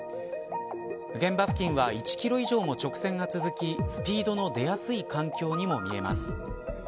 現場付近は１キロ以上も直線が続きスピードの出やすい環境にも見えます。